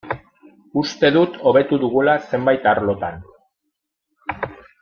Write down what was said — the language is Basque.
Uste dut hobetu dugula zenbait arlotan.